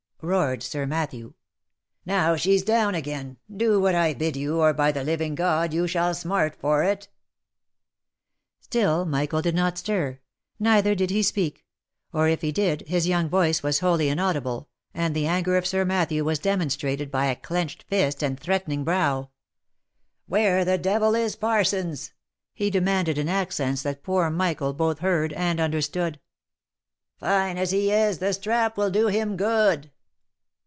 roared Sir Matthew. " Now she's down again. — Do what I bid you, or by the living God you shall smart for it !" Still Michael did not stir, neither did he speak ; or if he did, his young voice was wholly inaudible, and the anger of Sir Matthew was demonstrated by a clenched fist and threatening brow. " Where the devil is Parsons ?" he demanded in accents that poor Michael both heard and understood. " Fine as he is, the strap will do him good."